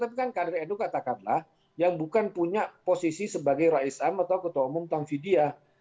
tapi kan kader nu katakanlah yang bukan punya posisi sebagai rais am atau ketua umum tamfidiah